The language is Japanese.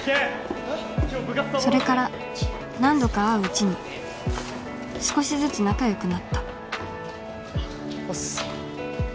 それから何度か会ううちに少しずつ仲よくなったおっす